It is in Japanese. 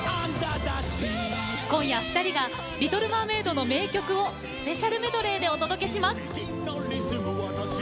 今夜２人が「リトル・マーメイド」の名曲をスペシャルメドレーでお届けします。